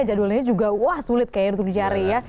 jadulnya juga wah sulit kayaknya untuk dijari ya